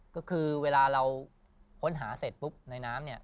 ก็คือเวลาเราค้นหาเสร็จปุ๊บในน้ำเนี่ย